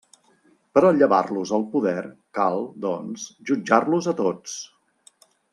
Per a llevar-los el poder, cal, doncs, jutjar-los a tots.